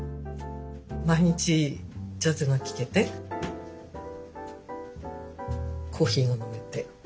毎日ジャズが聴けてコーヒーが飲めて。